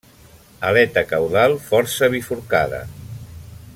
Aleta caudal força bifurcada.